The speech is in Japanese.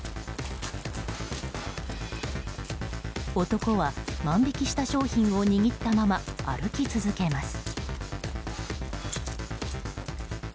男は万引きした商品を握ったまま、歩き続けます。